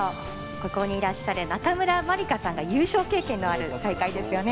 ここにいらっしゃる中村真梨花さんが優勝経験のある大会ですよね。